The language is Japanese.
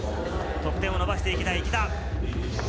得点を伸ばしていきたい池田。